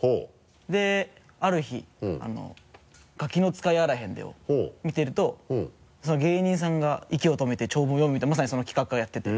である日「ガキの使いやあらへんで！」を見てると芸人さんが息を止めて長文を読むみたいなまさにその企画がやってて。